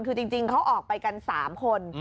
คือจริงเขาออกไปกัน๓คน